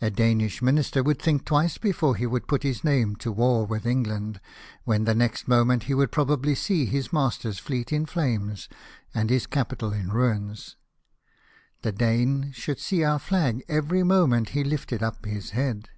A Danish minister would think twice before he would put his name to war with England, when the next moment he would probably sec his master's fleet in flames, and his capital in ruins. The Dane should see our flag every moment he lifted up his head."